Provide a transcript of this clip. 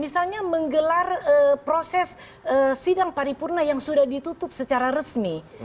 misalnya menggelar proses sidang paripurna yang sudah ditutup secara resmi